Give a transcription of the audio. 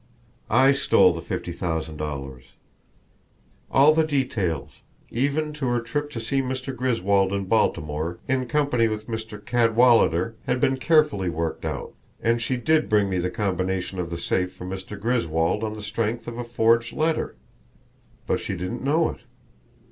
_ I stole the fifty thousand dollars! All the details, even to her trip to see Mr. Griswold in Baltimore in company with Mr. Cadwallader, had been carefully worked out; and she did bring me the combination of the safe from Mr. Griswold on the strength of a forged letter. But she didn't know it.